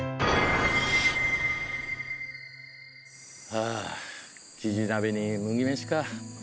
ああキジ鍋に麦飯か。